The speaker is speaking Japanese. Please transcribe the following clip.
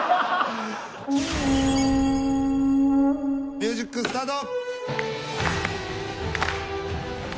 ミュージックスタート。